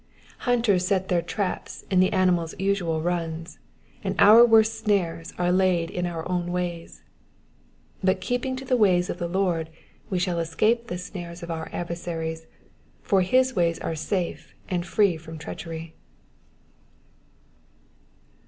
Hunters set their traps in the animals^ usual runs, and our worst snares are laid in our own ways. By keeping to the ways of the Lord we shall escape the snares of our adversaries, for his ways are safe and free from treachery.